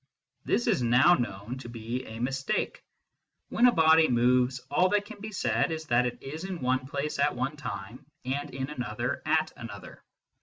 This is now known to be a mistake. When a body moves, all that can be said is that it is in one place at one time and in another at another.